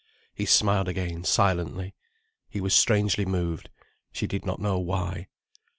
He smiled again, silently. He was strangely moved: she did not know why.